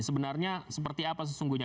sebenarnya seperti apa sesungguhnya